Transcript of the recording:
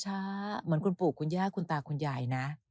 เหมือนคุณปู่คุณย่าคุณตาคุณยายนะ